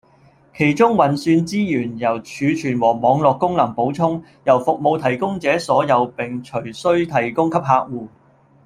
其中運算資源由儲存和網路功能補充，由服務提供者所有並隨需提供給客戶